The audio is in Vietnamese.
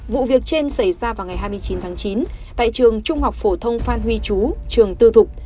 vụ việc trên xảy ra vào ngày hai mươi chín tháng chín tại trường trung học phổ thông phan huy chú trường tư thục